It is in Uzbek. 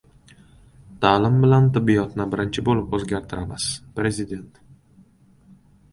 «Ta'lim bilan tibbiyotni birinchi bo‘lib o‘zgartiramiz» - prezident